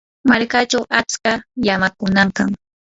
markachaw achka llamakunam kan.